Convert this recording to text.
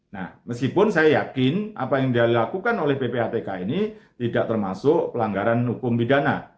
nah meskipun saya yakin apa yang dilakukan oleh ppatk ini tidak termasuk pelanggaran hukum pidana